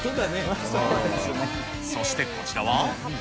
そしてこちらは。